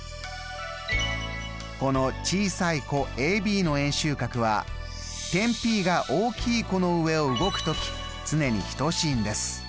この小さい弧ＡＢの円周角は点Ｐが大きい弧の上を動く時つねに等しいんです。